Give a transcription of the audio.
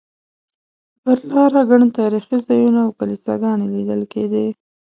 پر لاره ګڼ تاریخي ځایونه او کلیساګانې لیدل کېدې.